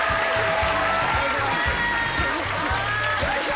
よいしょ！